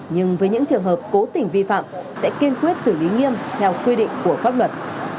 nhưng với những trường hợp cố tình vi phạm sẽ kiên quyết xử lý nghiêm theo quy định của pháp luật